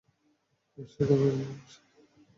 সেটাই করছিলাম, বিশ্বাস করো!